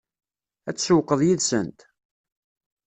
Ad tsewwqeḍ yid-sent?